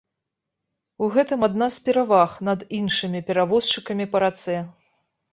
У гэтым адна з пераваг над іншымі перавозчыкамі па рацэ.